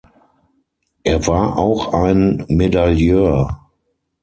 Er war auch ein Medailleur.